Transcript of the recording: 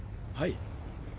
はい。